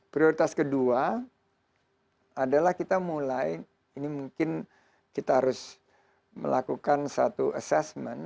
prioritas kedua adalah kita mulai ini mungkin kita harus melakukan satu assessment